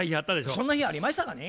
そんな日ありましたかね？